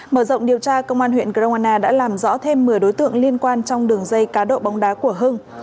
mở rộng điều tra công an huyện grongana đã làm rõ thêm một mươi đối tượng liên quan trong đường dây cá độ bóng đá của hưng